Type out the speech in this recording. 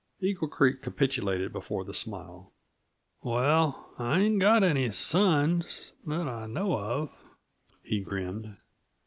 Eagle Creek capitulated before the smile. "Well, I ain't got any sons that I know of," he grinned.